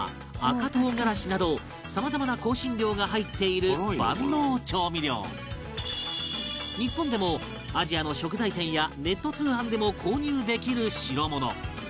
赤唐辛子などさまざまな香辛料が入っている万能調味料日本でもアジアの食材店やネット通販でも購入できる代物